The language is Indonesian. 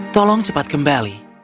tolong cepat kembali